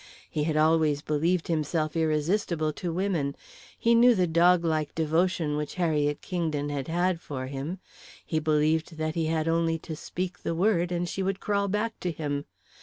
He had always believed himself irresistible to women; he knew the dog like devotion which Harriet Kingdon had had for him; he believed that he had only to speak the word, and she would crawl back to him.